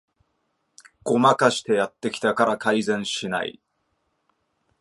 ごまかしてやってきたから改善しない